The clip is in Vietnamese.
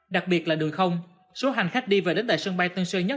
đặc biệt là đường không số hành khách đi về đến tại sân bay tân sơ nhất